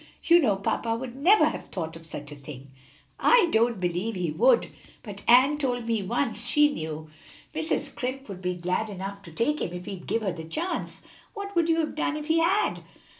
You know papa would never have thought of such a thing." "I don't believe he would, but Ann told me once she knew Mrs. Scrimp would be glad enough to take him if he'd give her the chance. What would you have done if he had?"